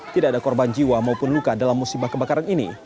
tidak ada korban jiwa maupun luka dalam musibah kebakaran ini